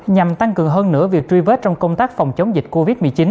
nhằm tăng cường hơn nữa việc truy vết trong công tác phòng chống dịch covid một mươi chín